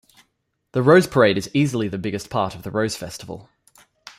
The Rose Parade is easily the biggest part of the Rose Festival.